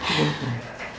kok khawatir jadinya